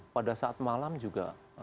pada saat malam juga